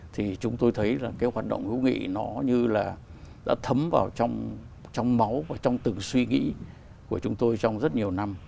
thì chúng tôi thấy là cái hoạt động hữu nghị nó như là đã thấm vào trong máu và trong từng suy nghĩ của chúng tôi trong rất nhiều năm